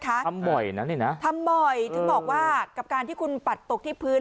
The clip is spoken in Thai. ทำบ่อยนะเนี่ยนะทำบ่อยถึงบอกว่ากับการที่คุณปัดตกที่พื้น